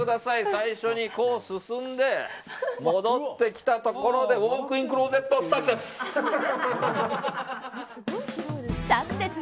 最初に、こう進んで戻ってきたところでウォークインクローゼットサクセス！